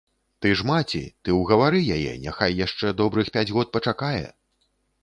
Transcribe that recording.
Ты ж маці, ты ўгавары яе, няхай яшчэ добрых пяць год пачакае.